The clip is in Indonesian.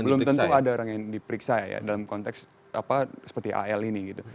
belum tentu ada orang yang diperiksa ya dalam konteks seperti al ini gitu